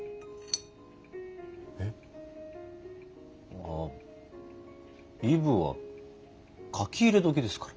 えっ？ああイブは書き入れ時ですから。